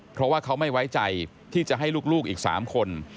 เพราะว่าเขาไม่ไว้ใจที่จะให้ลูกอีก๓คน